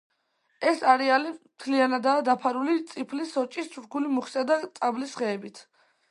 ეს არეალი მთლიანადაა დაფარული წიფლის, სოჭის, თურქული მუხისა და წაბლის ხეებით.